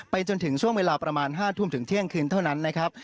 จนถึงช่วงเวลาประมาณ๕ทุ่มถึงเที่ยงคืนเท่านั้นนะครับ